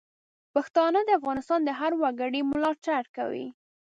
پښتانه د افغانستان د هر وګړي ملاتړ کوي.